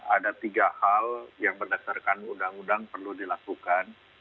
ada tiga hal yang berdasarkan undang undang perlu dilakukan